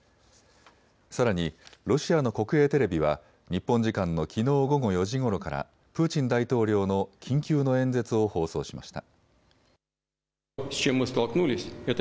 さらにロシアの国営テレビは日本時間のきのう午後４時ごろからプーチン大統領の緊急の演説を放送しました。